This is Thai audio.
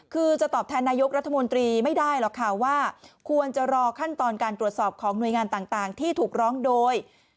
การตรวจสอบของหน่วยงานต่างที่ถูกร้องโดย